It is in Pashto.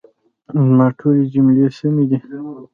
زما ټولي جملې سمي دي؟